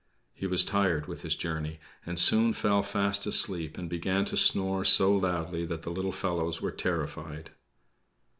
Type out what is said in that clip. He was tired with his journey, and soon fell fast asleep, and began to snore so loudly that the little fellows were terrified.